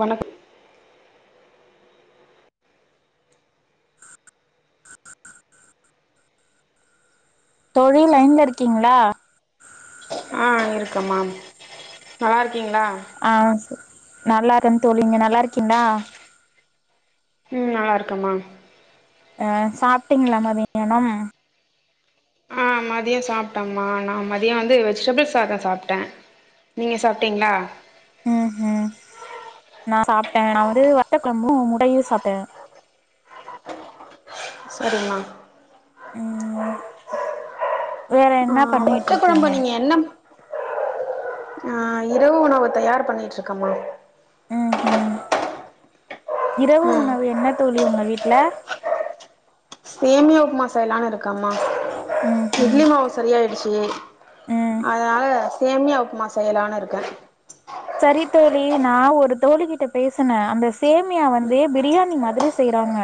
வணக் தோழி லைன்ல இருக்கீங்ளா ஆ இருக்கமாம் ஆ ஆ செ நல்லா இருன் தோழி நீங்க நல்லா இருக்கீங்ளா உம் நல்லா இருக்கமா ஆ சாப்ட்டீங்ளா மதியானம் ஆ மதியம் சாப்டம்மா நா மதிய வந்து வெஜிடபிள் சாதோ சாப்டே நீங்க சாப்டீங்ளா உ உம் நா சாப்டே நா வந்து வத்த கொழம்பு முட்டையு சாப்ட்டே செரிம்மா உம் வேற ஆ என்னா வத்த கொழம்ப நீங்க என்னம் ஆ இரவு உணவு தயார் பண்ணிட்டுருக்கமா உம் உம் இரவு ம் உணவு என்ன தோழி உங்க வீட்ல சேமியா உப்மா செயலானு இருக்க கமா ம் ம் இட்லி மாவு சரியாயிடுச்சி ம் அதனால சேமியா உப்புமா செய்யலான்னு இருக்கே செரி தோழி நா ஒரு தோழிகிட்ட பேசனே அந்த சேமியா வந்து பிரியாணி மாதிரி செய்றாங்க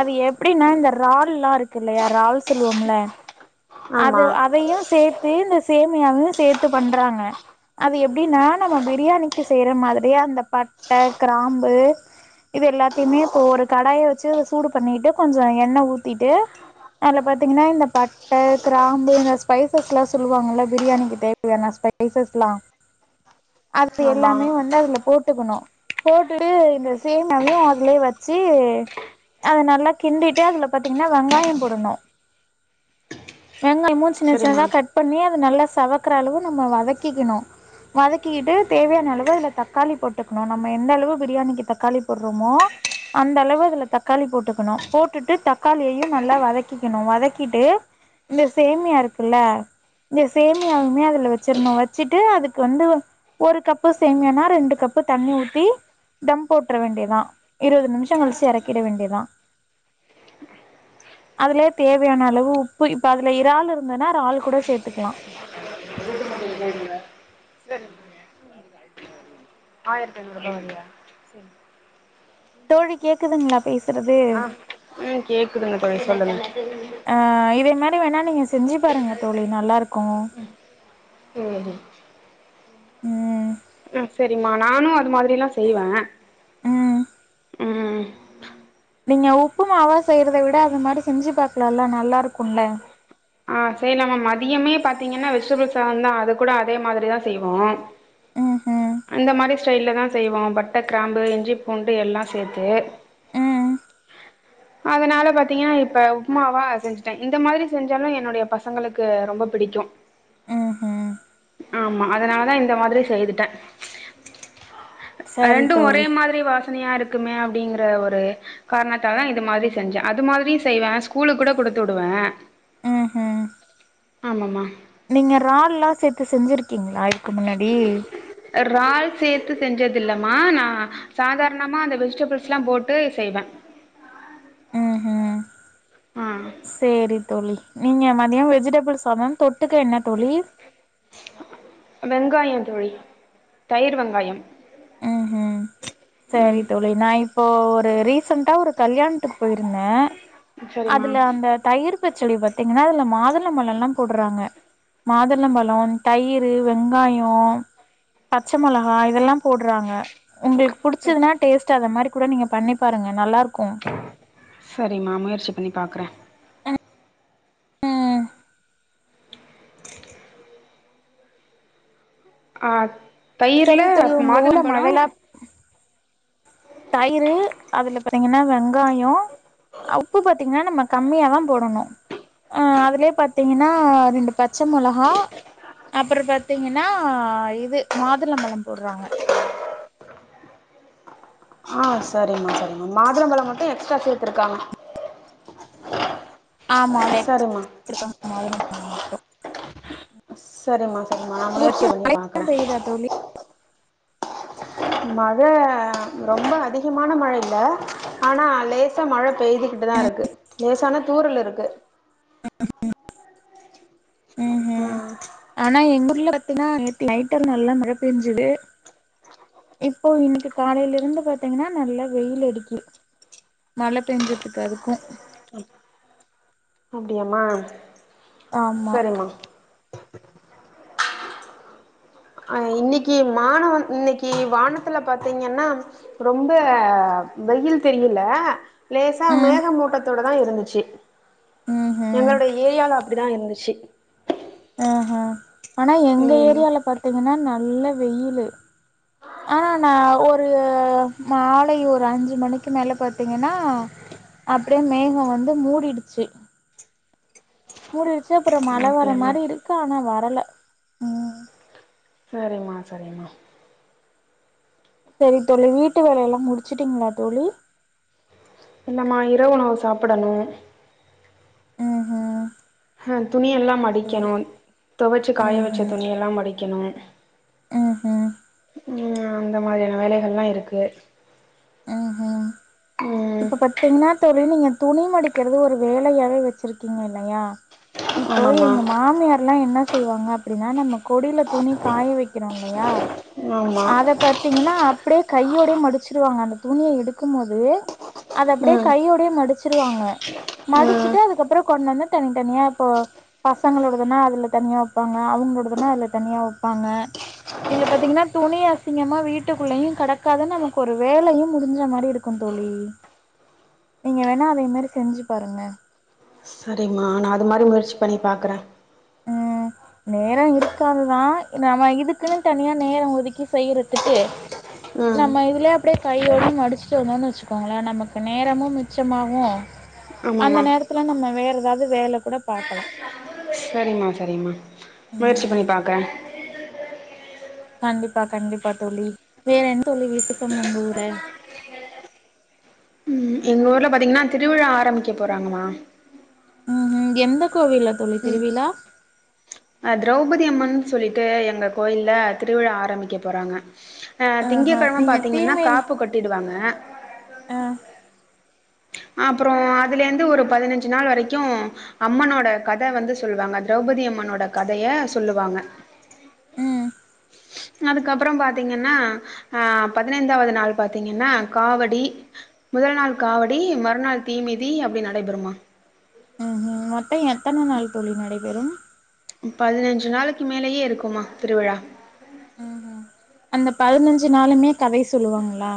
அது எப்டினா இந்த இறால்லா இருக்கு இல்லையா இறால் சொல்லுவோம்ல ஆமா அது அதையு சேத் தே இந்த சேமியாவு சேத்து பண்றாங்க அது எப்டினா நம்ம பிரியாணிக்கு செய்ற மாதிரியே அந்த பட்ட கிராம்பு இது எல்லாத்தியுமே போர் கடாய வெச்சு சூடு பண்ணிட்டு கொஞ்ச எண்ணெ ஊத்திட்டு அதுல பாத்தீங்னா இந்த பட் ட கிராம்பு இந்த ஸ்பைஸஸ்லா சொல்லுவாங்கல்ல பிரியாணிக்கு தேவயான ஸ்பைஸஸ்லா அது து ஆமா எல்லாமே வந்து அதுல ஓட்டுக்கணு போட்டு இந்த சேமியாவையு அதுலயே வெச்சு அது நல்லா கிண்டிட்டு அதுல பாத்தீங்கனா வெங்காய போடணு வெங்காயமு சின்ன சரிம்மா சின்னதா கட் பண்ணி அது நல்லா செவக்கற அளவு நம்ம வதக்கிக்கணு வதக்கிக்கிட்டு தேவையான அளவு அதுல தக்காளி போட்டுக்கணு நம்ம எந்த அளவு பிரியாணிக்கு தக்காளி போடுறோமோ அந்த அளவு அதுல தக்காளி போட்டுக்கணு போட்டுட்டு தக்காளியையு நல்லா வதக்கிக்கணு வதக்கிட்டு இந்த சேமியா இருக்குல்ல இந்த சேமியாவுமே அதுல வச்சிர்ணு வச்சுட்டு அதுக்கு வந்து ஒ ஒரு கப்பு சேம்யானா ரெண்டு கப்பு தண்ணி ஊத்தி டம் போட்டுற வேண்டிதா இருவது நிமிஷங்கழச்சு இறக்கிட வேண்டிதா அதுலயே தேவையான அளவு உப் பு இப்ப அதுல இரால் இருந்ததுனா ரால் கூட சேத்துக்கலா சரி ஆயிரத்தி ஐநூறு ரூபா [inaudible] தோழி கேக்குதுங்ளா பேசறது உம் கேக்குதுங்க தோழி சொல்லுங்க து வேணா நீங்க செஞ்சு பாருங்க தோழி நல்லா இருக்கோ உம் உம் செரிமா நானு அது மாதிரில செய்வ ம் நீங்க உப்பு மாவா செய்யறத விட அது மாரி செஞ்சு பாக்கலால்ல நல்லாருக்குல ஆ செய்லாமா மதியமே பாத்தீங்கனா வெஜிடபிள் சாததா அது கூட அதே மாரிதா செய்வோ ம் ம் அந்த மாரி ஸ்டைல தா செய்வோ பட்ட கிராம்பு இஞ்சி பூண்டு எல்லா சேத்து ம் அதுனால பாத்தீங்கன்னா இப்ப உப்மாவா செஞ்சுட்ட இந்த மாதிரி செஞ்சாலு என்னுடைய பசங்களுக்கு ரொம்ப பிடிக்கு ம் ம் ஆமா அதனால தா இந்த மாதிரி செய்துட்ட சரி ரெண்டு ஒரே தோழி மாதிரி வாசனையா இருக் க்குமே அப்படிங்கற ஒரு காரணத்தால தா இது மாதிரி செஞ்ச அது மாதிரியு செய்வ ஸ்கூலு கூட குடுத்துடுவ ம் ஹம் ஆமாம நீங்க இறால்லா சேத்து செஞ்சிருக் க்கீங்களா இதுக்கு முன்னாடி இறால் சேத்து செஞ்சதில்மா நா சாதாரணமா அந்த வெஜிடபிள்ஸ்ல்லா போட்டு செய்வ ம் ம் ஆ சேரி தோழி நீங்க மதியோ வெஜிடபிள் சாதோ தொட்டுக்க என்ன தோழி வெங்காயம் தோழி தயிர் வெங்காயம் ம் ம் சரி ம் தோழி நா இப்போ து ரீசென்ட்டா ஒரு கல்யாண்த்துக்கு போயிருந்த சரிம்மா அதுல அந்த தயிர் பச்சடி பத்தீங்கன்னா அதுல மாதுளபழல போடுறாங்க மாதுளம்பலோ தயிரு வெங்காயோ பச்ச மொளஹா இதெல்லா போடுறாங்க உங்களுக்கு சரி புடிச்சுதுன்னா டேஸ்ட் அத மாரி கூட நீங்க பண்ணி பாருங்க நல்லா இருக் க்கு சரிம்மா முயற்சி பண்ணி பாக்குற ஆஹ் சரி தோழி உங்க ஊருல மழலா தயிரு அதுல பாத்தீங்கன்னா வெங்காயோ அ உப்பு பாத்தீங்கன்னா நம்ம கம்மியாதா போடணு அஹ் அதுலயே பாத்தீங்கன்னா ரெண்டு பச்ச மொளஹா அப்பற பாத்தீங்கன்னா இது மாதுளம்பழோ போடுறாங்க ஆஹ் சரிம்மா சரிம்மா மாதுளம்பழம் மட்டு எக்ஸ்ட்ரா சேத்திருக்காங்க ஆமா [inaudible] மாதுளம்பழொ மட்டு சரிம்மா சரி நா முயற்சி பண்ணி பாக்குற மழ பெய்யுதா தோழி மழ ரொம்ப அதிஹமான மழ இல்ல ஆன லேசா மழ பெய்துக்கிட்டு தா இருக்கு லேசானா தூரல் இருக்கு ம் ம் உம் [inaudible] பாத்தீங்கன்னா நேத்து நைட்டா நல்லா மழ பெஞ்சுது இப்போ இன்னைக்கு காலைலிருந்து பாத்தீங்கன்னா நல்லா வெயில் அடிக்கு மழ பெஞ்சதுக்கு அதுக்கு அப்டியாமா ஆமா சரிம்மா அஹ் இன்னிக்கி மானவ இன்னைக்கு வானத்துல பாத்தீங்கன்னா ரொம்ப வெயில் தெரில லேசா ம் மேகமூட்டத்தோடதா இருந்துச்சி ம் ம் எங்களோட ஏரியால அப்படிதான் இருந்துச்சி ஆஹ் ஹம் ஆனா எங்க ம் ஏரியால பாத்தீங் கன்னா நல்ல வெயிலு ஆனா ந ஒரு மாலை ஒரு அஞ்சு மணிக்கு மேல பாத்தீங்கன்னா அப்படியே மேகோ வந்து மூடிடுச்சு முடிடுச்சு ப்புறோ மழ வர அப்டியாமா மாரி இருக்கு ஆனா வ வரல உம் சரிம்மா சரிம்மா சரி தோழி வீட்டு வேலைய எல்லா முடிச்சுட்டீங்களா தோழி இல்லம்மா இரவுணவு சாப்பிடணு ஹம் ஹம் ஹ துணி எல்லா மடிக்கணுன் தொவச்சு காய ம் வெச்ச ம் துணி எல்லா மடிக்கணு ம்ஹும் ஹம் அந்த மாரியான வேலைகள்லா இருக்கு ம்ஹும் ம் இப்ப பத்தீங்ன்னா தெ ழி நீங்க துணி மடிக்கிறது ஒரு வேலையாவே வெச்சுருக்கீங்க இல்லையா இப்போ ஆமாம்மா எங்க மாமியார்ல்லா என்ன செய்வாங்க அப்படின்னா நம்ம கொடில துணி காய வெக்கிறோ இல்லையா ஆமா அத பத்தீங்கன்னா அப்டியே கையோடயே மடிச்சிருவாங்க அந்த துணிய எடுக்கும்மோதே அதப்படியே ம் கையோடயே மடிச்சு ச்சுருவாங்க ம் மடிச்சுட்டு அதுக்கப்பறொ கொண்டந்து தனித்தனியா இப்போ பசங்களோடதுனா அதுல தனியா வப்பாங்க அவுங்களோடதுனா அதுல தனியா வப்பாங்க இதுல பாத்தீங்கன்னா துணி அசிங்கமா வீட்டுக்குள்ளயுங் கடக்காத நமக்கு ஒரு வேலையு முடிஞ்ச மாரி இருக்கு தோழி நீங்க வேணா அதே மாரி செஞ்சு பாருங்க சரிம்மா நா அது மாரி முயற்சி பண்ணி பாக்குற ஹம் நேரொ இருக்காதுதா நாம இதுக்குன்னு தனியா நேரோ ஒதுக்கி செய்யறதுக்கு ம் நம்ம இதுலயே அப்டியே கையோட மடிச்சுட்டு வந்தோம்ன்னு வெச்சுக்கோங்களே நமக்கு நேரமு மிச்சமாகு அந்த ஆமாம்மா நேரத்துல நம்ம வே ஏதாவது வேல கூட பாக்கலா சரிமா சரிம்மா முயற்சி ம் பண்ணி பாக்குற கண்டிப்பா கண்டிப்பா தோழி வேற என் தோழி விசேஷம் [inaudible] ம் எங்க ஊர்ல பாத்தீங்கன்னா திருவிழா ஆரம்பிக்க போறாங்கமா ஹம்ஹம் எந்த கோவில்ல தோழி திருவிழா அ திரௌபதி அம்மன்னு சொல்லிட்டு எங்க கோயில்ல திருவிழா ஆரம்பிக்க போறாங்க அஹ் திங்க ஆஹ கெழம நீங்க பாத்தீங்கன்னா தீமிதி காப்பு கட்டிடுவாங்க ஆ அப்பறோ அதுலிந்து ஒரு பதினஞ்சு நாள் வரைக்கு அம்மனோட கத வந்து சொல்லுவாங்க திரௌபதி அம்மனோட கதைய சொல்லுவாங்க ம் அதுக்கப்றம் பாத்தீங்கன்னா அ பதினைந்தாவது நாள் பாத்தீங்கன்னா காவடி முதல் நாள் காவ டி மறுநாள் தீ மிதி அப்படி நடைபெறுமா ம் ஹம் மொத் த்த எத்தன நாள் தோழி நடைபெறு பதினஞ்சு நாளைக்கு மேலேயே இருக்குமா திருவிழா ஹம் ஹம் அந்த பதினஞ்சு நாளுமே கதை சொல்லுவாங்களா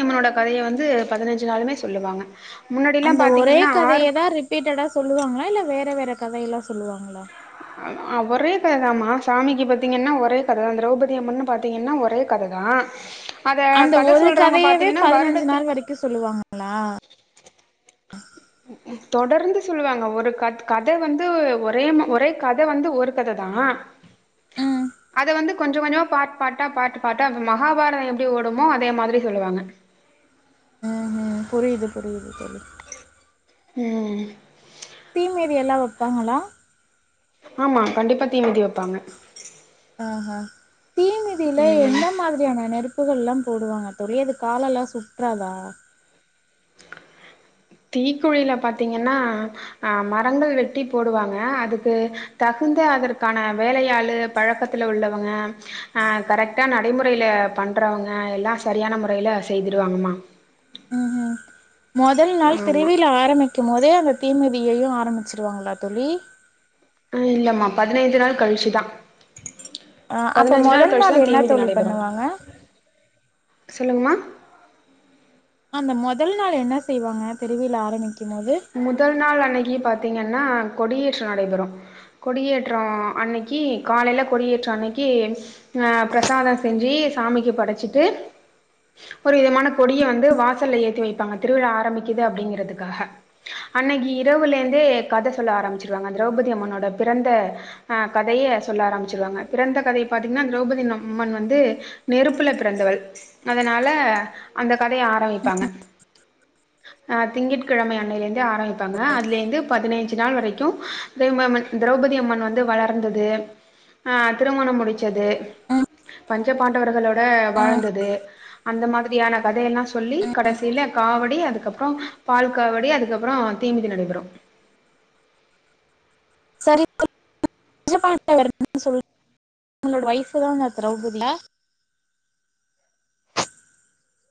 ம்மனோட கதைய வந்து பதினஞ்சு நாளுமே சொல்லுவாங்க முன்னாடில்லா அந்த ஒரே பாத்தீங்கன்னா ஆறு கதயதா ரிப்பீட்டடா சொல்லுவாங்களா இல்ல வேற வேற த கதயெல்லா சொல்லுவாங்களா அ ஆ ஒரே கததாம சாமிக்கு பாத்தீங்கனா ஒரே கததா திரௌபதி அம்மன்னு பாத்தீங்கனா ஒரே கததா அத அந்த கத ஒரு சொல்றவங்க கதையவே பாத்தீங்கன்னா பதினஞ்சு நாள் வருடத்திற்கு வரைக்கும் சொல்லுவாங்களா உம் தொடர்ந்து சொல்லுவாங்க ஒரு கத் கத வந்து ஒரே ம ஒரே கத வந்து ஒரு கததா ம் அத வந்து கொஞ்ச கொஞ்சமா பாட் பாட்டா பாட் பாட்டா அப்ப மகாபாரதம் எப்படி ஓடுமோ அதே மாதிரி சொல்லுவாங்க உ உம் புரியது புரியது தோழி உம் தீமிதி எல்லா வெப்பாங்களா ஆமா கண்டிப்பா தீமிதி வெப்பாங்க அ ஆ தீ மிதில ம் எந்த மாதிரியான நெருப் [unintelligible] லா போடுவாங்க தோழி அது காலலா சுட்றாதா தீக்குழில பாத்தீங்கனா ஆ மரங்கள் வெட்டி போடுவாங்க அதுக்கு தகுந்த அதற்கான வேலையாளு பழக்கத்துல உள்ளவங்க அ கரெக்டா நடைமுறைல பண்றவங்க எல்லா செரியான முறைல செய்துடுவாங்கமா ம்ஹும் மொதல் நாள் திருவிழா ஆரம்பிக்கு மோது தே அந்த தீமிதியையு ஆரமிச்சிருவாங்களா தோழி ஆ இல்லம்மா பதினைந்து நாள் கழிச்சுதா ஆ அப்ப மொதல் நாள் என்ன தொழி நடைபெறும். பண்ணுவாங்க சொல்லுங்கம்மா? அந்த மொதல் நாள் என்ன செய்வாங்க திருவில ஆரம்பிக்க முதல் நாள் அன்னிக்கு பாத்தீங்கனா கொடியேற்றம் நடைபெறும் கொடியேற்றம் அன்னைக்கி காலைல கொடியேற்றம் அன்னைக்கி ஆ பிரசாத செஞ்சு சாமிக்கு படச்சிட்டு ஒரு விதமான கொடிய வந்து வாசல்ல ஏத்தி வைப்பாங்க திருவிழா ஆரம்பிக்குது அப்டிங்கறதுக்காக அன்னைக்கு இரவுலேந்தே கத சொல்ல ஆரம்பிச்சிருவாங்க திரௌபதி அம்மனோட பிறந்த ஆ கதைய சொல்ல ஆரம்பிச்சிருவாங்க பிறந்த கதைய பாத்தீங்கனா திரௌபதி நம்மன் வந்து நெருப்புல பிறந்தவள் அதனால அந்த கதைய ஆரம்பிப்பாங்க ஆ திங்கட்கிழமையன் அன்னைலேந்தே ஆரம்பிப்பாங்க அதுலேந்து பதினஞ்சு நாள் வரைக்கும் திருமாமல் திரௌபதி அம்மன் வந்து வளர்ந்தது ஆ திருமணம் முடிச்சது பஞ்ச பாண்டவர்களோட ட வாழ்ந்தது அந்த மாதிரியான கதையெல்லா சொல்லி கடசில காவடி அதுக்கப்பறோ பால் காவடி அதுக்கு கப்பரோ ஆ தீமிதி நடைபெறு செரி [inaudible] அவுங்ளோட ஒய்ஃப் தான திரோபதில ச்ச